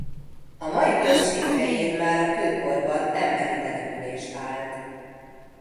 A mai község helyén már a kőkorban emberi település állt.